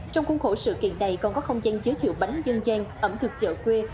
trong khuôn khổ sự kiện này còn có không gian giới thiệu bánh dân gian ẩm thực chợ quê